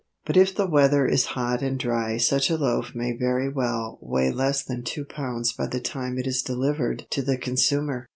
But if the weather is hot and dry such a loaf may very well weigh less than two pounds by the time it is delivered to the consumer.